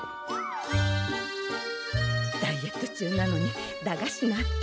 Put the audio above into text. ダイエット中なのに駄菓子なんて。